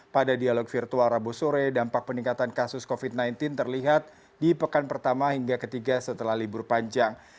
pada dialog virtual rabu sore dampak peningkatan kasus covid sembilan belas terlihat di pekan pertama hingga ketiga setelah libur panjang